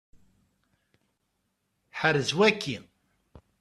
Ḥrez waki!